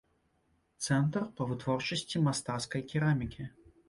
Цэнтр па вытворчасці мастацкай керамікі.